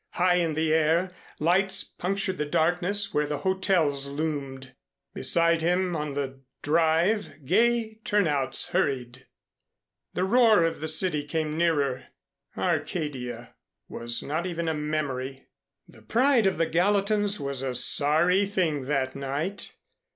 High in the air, lights punctured the darkness where the hotels loomed. Beside him on the drive gay turnouts hurried. The roar of the city came nearer. Arcadia was not even a memory. The Pride of the Gallatins was a sorry thing that night.